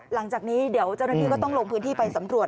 หลังจากนี้เดี๋ยวเจ้าหน้าที่ก็ต้องลงพื้นที่ไปสำรวจ